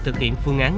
thực hiện phương án